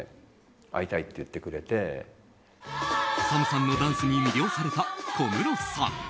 ＳＡＭさんのダンスに魅了された小室さん。